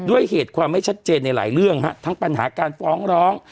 ด้วยเหตุความไม่ชัดเจนในหลายเรื่องฮะทั้งปัญหาการฟ้องร้อง